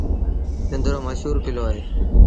سنڌ رو مشهور ڪلو اهي۔